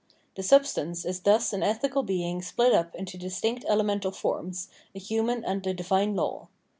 Tlie substance is thus an ethical being split up into distinct elemental forms, a human and a divine law.